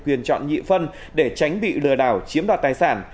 quyền chọn nhị phân để tránh bị lừa đảo chiếm đoạt tài sản